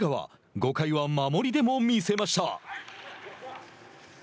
５回は守りでも見せました。